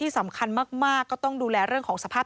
สรรคัญก็ต้องดูแลเรื่องสภาพ